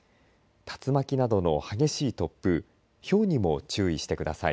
竜巻などの激しい突風ひょうにも注意してください。